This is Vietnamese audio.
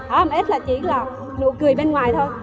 hở hầm ếch là chỉ là nụ cười bên ngoài thôi